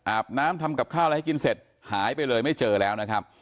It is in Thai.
น้ำทำกับข้าวอะไรให้กินเสร็จหายไปเลยไม่เจอแล้วนะครับ